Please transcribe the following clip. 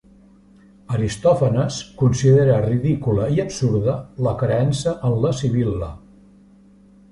Aristòfanes considera ridícula i absurda la creença en la Sibil·la.